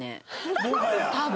多分。